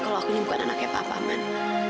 kalau saya bukan anak papa man